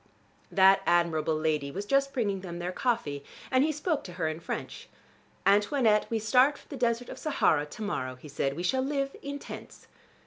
That admirable lady was just bringing them their coffee, and he spoke to her in French. "Antoinette, we start for the desert of Sahara to morrow," he said. "We shall live in tents."